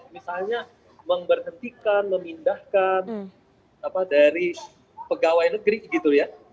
misalnya memberhentikan memindahkan dari pegawai negeri gitu ya